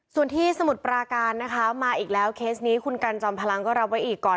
ส่วนที่สมุทรปราการนะคะมาอีกแล้วเคสนี้คุณกันจอมพลังก็รับไว้อีกก่อน